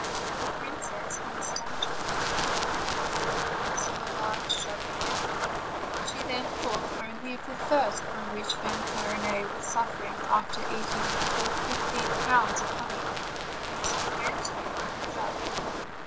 The princess, in astonishment, looked behind her, and saw a large jug full of milk; she then thought only of the thirst from which Fanfarinet was suffering after eat ing full fifteen pounds of honey, and so ran to him with the jug.